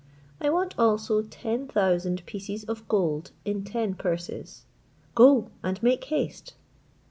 I want also ten thousand pieces of gold in ten purses; go, and make haste."